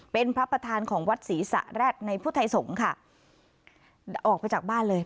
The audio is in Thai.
เป็นพระประธานของวัดศรีสะแร็ดในพุทธไทยสงฆ์ค่ะออกไปจากบ้านเลย